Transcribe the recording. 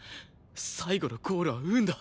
最後のゴールは運だ。